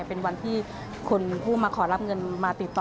เป็นวันที่คุณผู้มาขอรับเงินมาติดต่อ